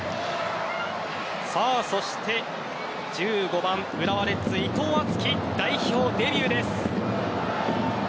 そして１５番、浦和レッズ伊藤敦樹、代表デビューです。